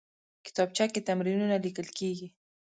کتابچه کې تمرینونه لیکل کېږي